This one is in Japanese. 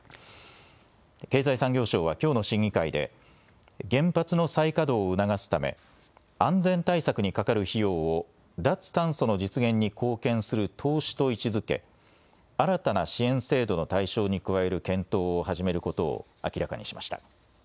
経済産業省はきょうの審議会で原発の再稼働を促すため安全対策にかかる費用を脱炭素の実現に貢献する投資と位置づけ新たな支援制度の対象に加える検討を始めることを明らかにしました。